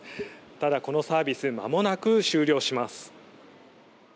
ただこのサービスまもなく終了します。